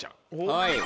はい。